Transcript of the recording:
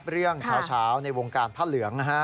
เรื่องเฉาในวงการพระเหลืองนะฮะ